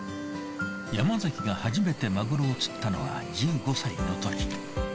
山崎が初めてマグロを釣ったのは１５歳のとき。